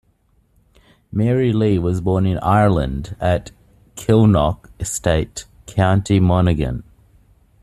Mary Lee was born in Ireland at Kilknock Estate, county Monaghan.